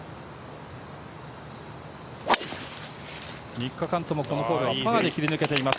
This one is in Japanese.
３日間ともこのホールはパーで切り抜けています。